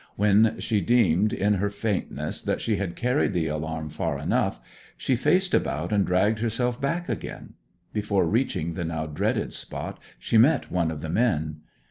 When she deemed, in her faintness, that she had carried the alarm far enough, she faced about and dragged herself back again. Before reaching the now dreaded spot she met one of the men.